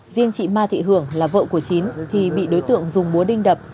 riêng chị ma thị hưởng là vợ của chín thì bị đối tượng dùng búa đinh đập